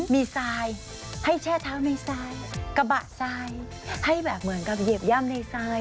มีทรายให้แช่เท้าในทรายกระบะทรายให้แบบเหมือนกับเหยียบย่ำในทราย